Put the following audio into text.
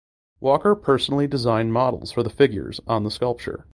Walker personally designed models for the figures on the sculpture.